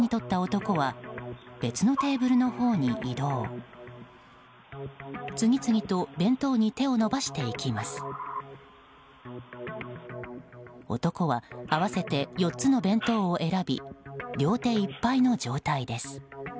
男は合わせて４つの弁当を選び両手いっぱいの状態です。